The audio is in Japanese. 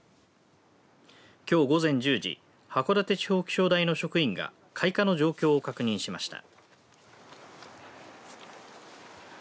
きょう午前１０時函館地方気象台の職員が開花の状況を確認しました。